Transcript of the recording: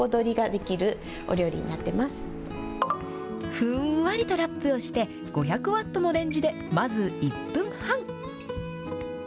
ふんわりとラップをして、５００ワットのレンジでまず１分半。